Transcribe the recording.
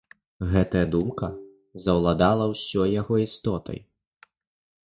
Гэтая думка заўладала ўсёй яго істотай.